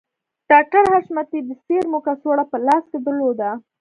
ډاکټر حشمتي د سيرومو کڅوړه په لاس کې درلوده